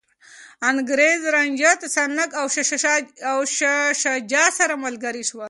انګریز، رنجیت سنګ او شاه شجاع سره ملګري شول.